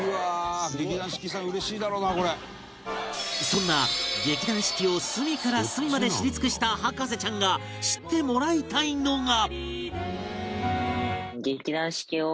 そんな劇団四季を隅から隅まで知り尽くした博士ちゃんが知ってもらいたいのが